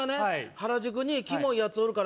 「原宿にキモい奴おるから」